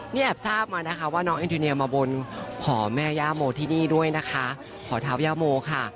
นี่แอบทราบมานะคะว่าน้องแอนทูเนียมาบนขอแม่ย่าโมที่นี่ด้วยนะคะขอเท้าย่าโมค่ะ